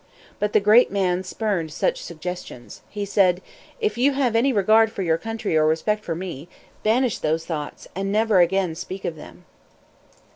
But the great man spurned such suggestions. He said, "If you have any regard for your country or respect for me, banish those thoughts and never again speak of them."